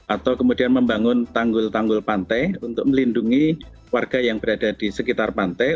atau kemudian membangun tanggul tanggul pantai untuk melindungi warga yang berada di sekitar pantai